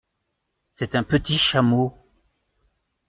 C’est un petit chameau !…